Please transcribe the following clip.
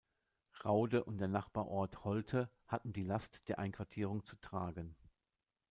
Rhaude und der Nachbarort Holte hatten die Last der Einquartierung zu tragen.